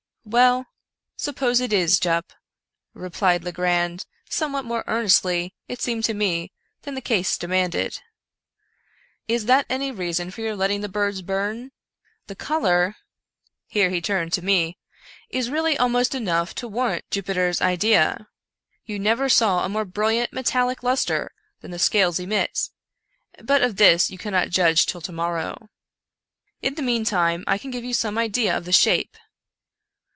" Well, suppose it is, Jup," replied Legrand, somewhat more earnestly, it seemed to me, than the case demanded; " is that any reason for your letting the birds burn ? The color "— here he turned to me —" is really almost enough to warrant Jupiter's idea. You never saw a more brilliant metallic luster than the scales emit — but of this you can not judge till to morrow. In the meantime I can give you some idea of the shape."